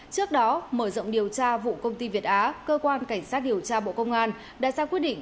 trước đó mở rộng điều tra vụ công ty việt á cơ quan cảnh sát điều tra bộ công an đã ra quyết định